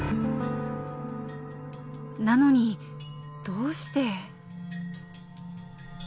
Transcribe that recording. なのにどうして。